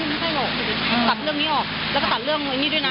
ไม่ใช่หรอกตัดเรื่องนี้ออกแล้วก็ตัดเรื่องอะไรนี่ด้วยนะ